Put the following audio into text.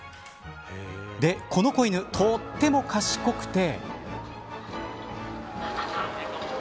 で、この子犬とっても賢くて。